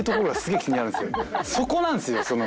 そこなんですよ。